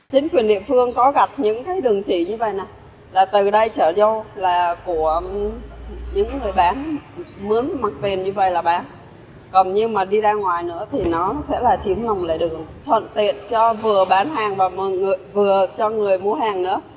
tiện cho vừa bán hàng và vừa cho người mua hàng nữa